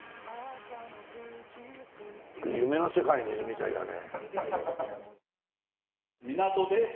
夢の世界にいるみたいだね！